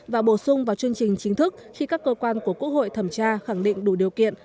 và bổ sung vào chương trình chính thức khi các cơ quan của quốc hội thẩm tra khẳng định đủ điều kiện